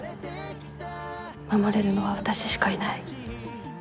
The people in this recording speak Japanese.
守れるのは私しかいない。